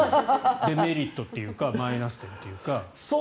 デメリットというかマイナス点というか。